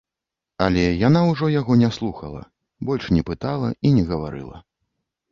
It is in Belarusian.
Але яна ўжо яго не слухала, больш не пытала і не гаварыла.